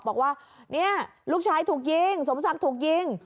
บอกว่าเนี่ยลูกชายถูกยิงสมศักดิ์ถูกยิง